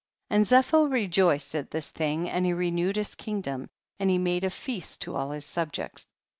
4. And Zepho rejoiced at this thing, and he renewed his kingdom,* and he made a feast to all his subjects.